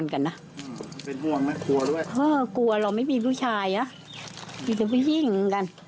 กลัวเหรอไม่มีผู้ชายอะอยู่ในพื้นที่เหมือนกัน